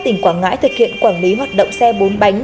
tỉnh quảng ngãi thực hiện quản lý hoạt động xe bốn bánh